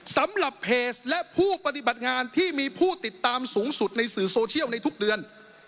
สำหรับเพจและผู้ปฏิบัติงานที่มีผู้ติดตามสูงสุดในสื่อโซเชียลในทุกเดือน